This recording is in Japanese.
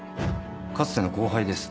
かつての後輩です。